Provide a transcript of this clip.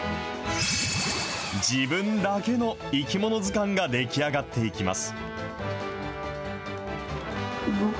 自分だけの生き物図鑑が出来上がっていきます。